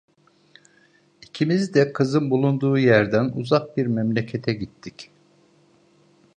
İkimiz de kızın bulunduğu yerden uzak bir memlekete gittik…